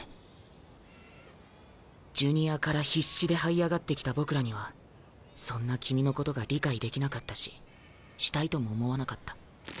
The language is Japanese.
ジュニアから必死ではい上がってきた僕らにはそんな君のことが理解できなかったししたいとも思わなかった。